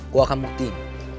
gue akan buktiin